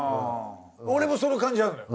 俺もその感じあるのよ。